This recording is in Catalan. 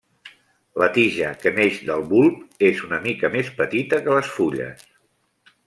La tija que neix del bulb és una mica més petita que les fulles.